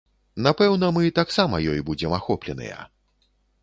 Напэўна, мы таксама ёй будзем ахопленыя.